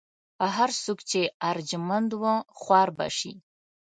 هر څوک چې ارجمند و خوار به شي.